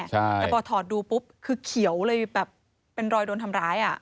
แต่พอถอดดูปุ๊บคือเขียวเลยแบบเป็นรอยโดนทำร้าย